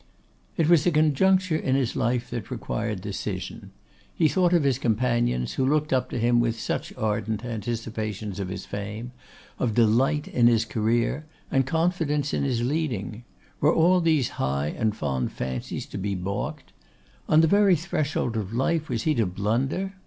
It was a conjuncture in his life that required decision. He thought of his companions who looked up to him with such ardent anticipations of his fame, of delight in his career, and confidence in his leading; were all these high and fond fancies to be balked? On the very threshold of life was he to blunder?